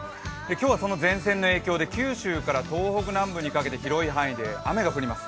今日はその前線の影響で九州から東北南部にかけて広い範囲で雨が降ります。